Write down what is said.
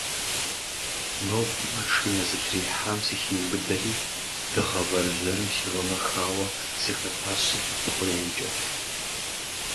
Нобэ машинэ зэтрихьам сыхиубыдэри, дыгъэ вэржьэрым сигъэмэхауэ сыхэтащ сыхьэт хъурейкӏэ.